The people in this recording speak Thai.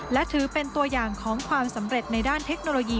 และถือเป็นตัวอย่างของความสำเร็จในด้านเทคโนโลยี